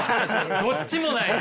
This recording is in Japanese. どっちもなんや。